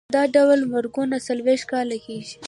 دا ډول مرګونه څلوېښت کاله کېږي.